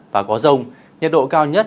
và có rồng nhật độ cao nhất